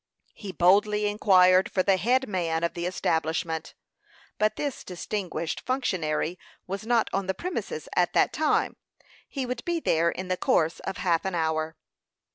He boldly inquired for the "head man" of the establishment; but this distinguished functionary was not on the premises at that time; he would be there in the course of half an hour.